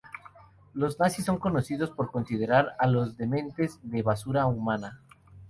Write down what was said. Los nazis son conocidos por considerar a los dementes de "basura humana".